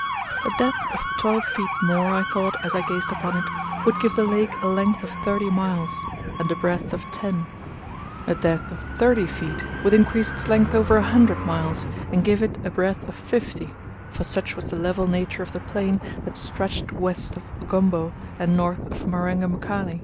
A depth of twelve feet more, I thought, as I gazed upon it, would give the lake a length of thirty miles, and a breadth of ten. A depth of thirty feet would increase its length over a hundred miles, and give it a breadth of fifty, for such was the level nature of the plain that stretched west of Ugombo, and north of Marenga Mkali.